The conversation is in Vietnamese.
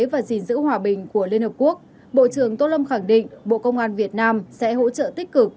và gìn giữ hòa bình của liên hợp quốc bộ trưởng tô lâm khẳng định bộ công an việt nam sẽ hỗ trợ tích cực